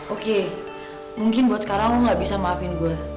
oke mungkin buat sekarang aku gak bisa maafin gue